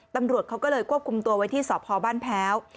ตำรวจเขาก็เลยควบคุมตัวไว้ที่สพบ้านแพ้ว